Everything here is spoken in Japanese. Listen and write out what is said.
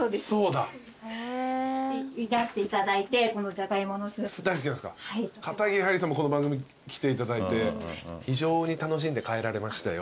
はいりさんもこの番組来ていただいて非常に楽しんで帰られましたよ。